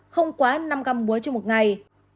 không quá năm găm muối trong một ngày